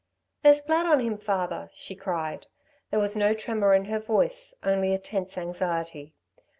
"There's blood on him, father," she cried. There was no tremor in her voice, only a tense anxiety.